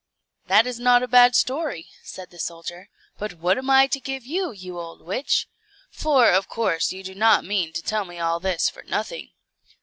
"This is not a bad story," said the soldier; "but what am I to give you, you old witch? for, of course, you do not mean to tell me all this for nothing."